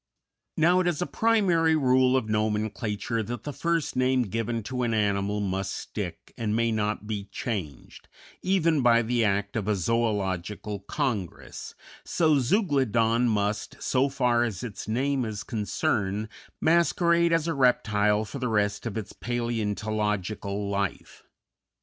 Now it is a primary rule of nomenclature that the first name given to an animal must stick and may not be changed, even by the act of a zoölogical congress, so Zeuglodon must, so far as its name is concerned, masquerade as a reptile for the rest of its paleontological life.